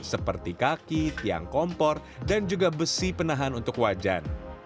seperti kaki tiang kompor dan juga besi penahan untuk wajan